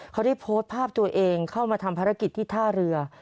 เขาได้โพสต์ภาพตัวเองเข้ามาทำภารกิจที่ท่าเรือ